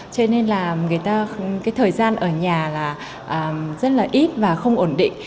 cho nên là người ta cái thời gian ở nhà là rất là ít và không ổn định